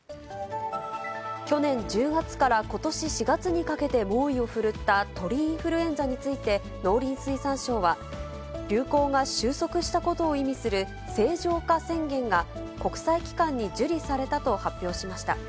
去年１０月からことし４月にかけて猛威を振るった鳥インフルエンザについて、農林水産省は、流行が収束したことを意味する、清浄化宣言が国際機関に受理されたと発表しました。